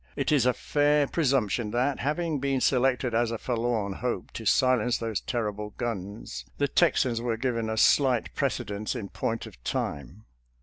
It is a fair pre sumption that, having been selected as a forlorn hope to silence those terrible guns, the Texans were given a slight precedence in point of time.